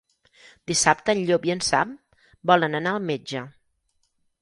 Dissabte en Llop i en Sam volen anar al metge.